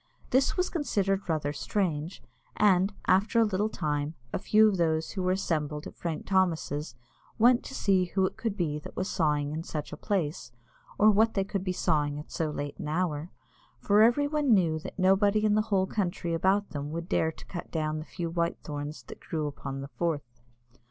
This was considered rather strange, and, after a little time, a few of those who were assembled at Frank Thomas's went to see who it could be that was sawing in such a place, or what they could be sawing at so late an hour, for every one knew that nobody in the whole country about them would dare to cut down the few white thorns that grew upon the Forth.